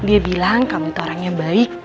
dan dia sekarang kamu tuh orang yang baik